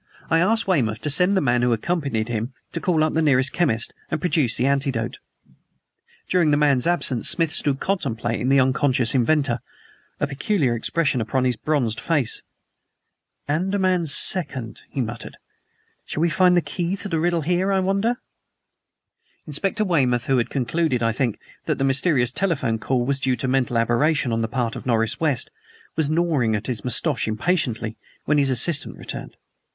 I asked Weymouth to send the man who accompanied him to call up the nearest chemist and procure the antidote. During the man's absence Smith stood contemplating the unconscious inventor, a peculiar expression upon his bronzed face. "ANDAMAN SECOND," he muttered. "Shall we find the key to the riddle here, I wonder?" Inspector Weymouth, who had concluded, I think, that the mysterious telephone call was due to mental aberration on the part of Norris West, was gnawing at his mustache impatiently when his assistant returned.